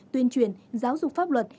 tuyên truyền giáo dục pháp luật